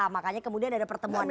makanya kemudian ada pertemuan